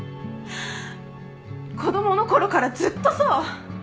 子供のころからずっとそう。